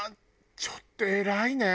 ちょっと偉いね。